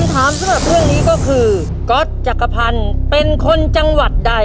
ก็คือก๊อตจักรพันธ์เป็นคนจังหวัดใด